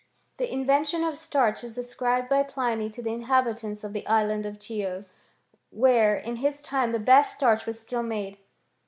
The invention of starch is ascribed by Pliny to the inhabitants of the island of Chio, where in his time the best starch was still made.